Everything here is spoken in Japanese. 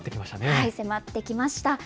迫ってきました。